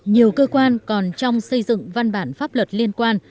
nhiều cơ quan còn trong xây dựng văn bản pháp luật liên quan